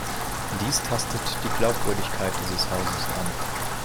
Dies tastet die Glaubwürdigkeit dieses Hauses an.